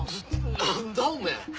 何だおめえ。